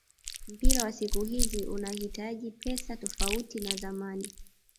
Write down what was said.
Mpira wa siku hizi unahitaji pesa tofauti na zamani